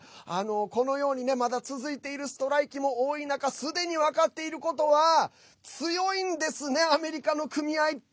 このように、まだ続いているストライキも多い中すでに分かっていることは強いんですねアメリカの組合って。